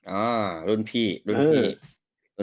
อ่ารุ่นพี่รุ่นพี่